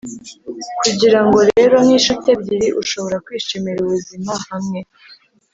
kugira ngo rero nk'inshuti ebyiri ushobora kwishimira ubuzima hamwe.